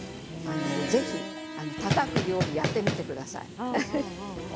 ぜひ、たたく料理やってみてください。